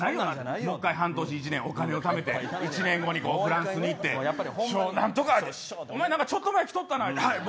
向こう半年、１年お金ためて１年後にフランスに行って何とか、お前ちょっと前きとったなって。